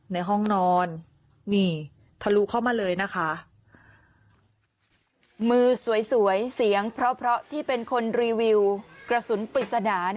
ในห้องนอนนี่ทะลุเข้ามาเลยนะคะ